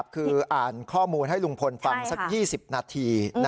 คืออ่านข้อมูลให้ลุงพลฟังสัก๒๐นาที